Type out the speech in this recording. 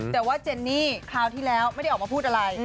แต่ว่าเจนนี่คราวที่แล้วไม่ได้ออกมาพูดอะไร